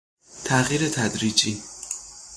تغییر تدریجی